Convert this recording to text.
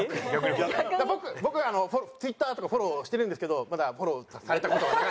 僕ツイッターとかフォローしてるんですけどまだフォローされた事がない。